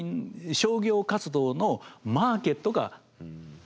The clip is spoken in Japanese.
商業活動のマーケットが増える。